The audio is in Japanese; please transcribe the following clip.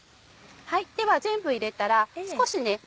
では全部入れたら少しヘラで。